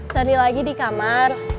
cari lagi di kamar